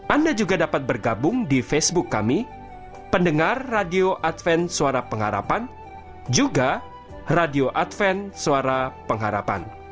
anda juga dapat bergabung di facebook kami pendengar radio adventsuara pengharapan juga radio adventsuara pengharapan